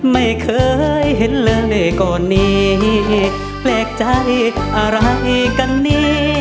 ไม่เคยเห็นเลยก่อนนี้แปลกใจอะไรกันนี่